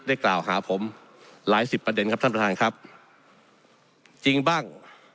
กล่าวหาผมหลายสิบประเด็นครับท่านประธานครับจริงบ้าง